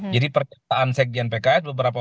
jadi percayaan sekjen pks beberapa